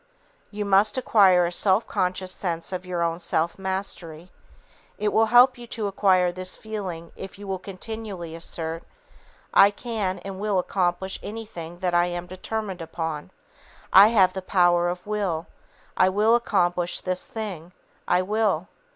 You must acquire a self conscious sense of your own self mastery. It will help you to acquire this feeling if you will continually assert, "I can and will accomplish anything that I am determined upon! I have the power of will! I will accomplish this thing! I will!"